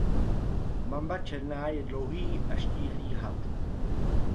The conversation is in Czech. Mamba černá je dlouhý a štíhlý had.